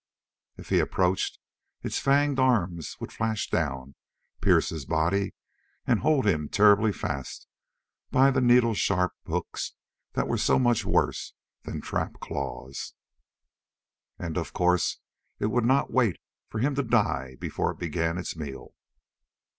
If he approached, its fanged arms would flash down, pierce his body, and hold him terribly fast by the needle sharp hooks that were so much worse than trap claws. And of course it would not wait for him to die before it began its meal.